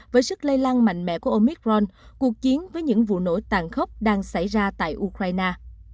với sức lây lan mạnh mẽ của omicron cuộc chiến với những vụ nổ tàn khốc đang xảy ra tại ukraine